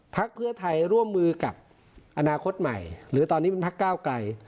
พักเพื่อไทยร่วมมือกับอนาคตใหม่หรือตอนนี้เป็นพักก้าวไกล